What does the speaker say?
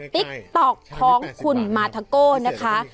ติ๊กต๊อกของคุณมาทาโก้นะคะ